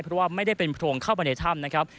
เพราะว่าไม่ได้เป็นโพรงเข้าไปในถ้ำนะครับ